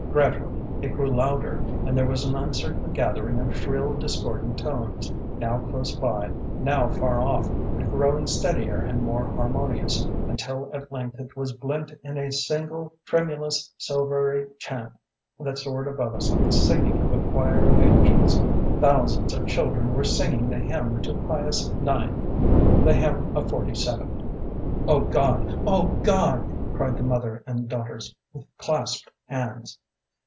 Gradually it grew louder, and there was an uncertain gathering of shrill, discordant tones, now close by, now far off, but growing steadier and more harmonious, until at length it was blent in a single tremulous silvery chant that soared above us like the singing of a choir of angels. Thousands of children were singing the hymn to Pius IX. the hymn of forty seven." "Oh, God oh, God!" cried the mother and daughters, with clasped hands.